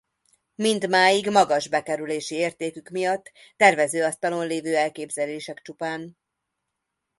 Mindmáig magas bekerülési értékük miatt tervező asztalon lévő elképzelések csupán.